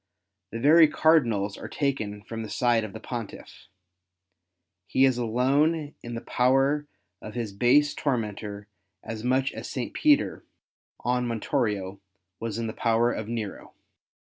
The very cardinals are taken from the side of the Pontiff. He is alone in the power of his base tormentor as much as St. Peter on Montorio was in the power of Nero.